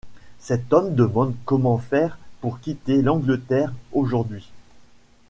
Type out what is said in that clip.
Cet homme demande comment faire pour quitter l’Angleterre aujourd’hui ?